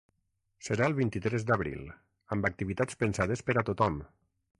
Serà el vint-i-tres d’abril, amb activitats pensades per a tothom.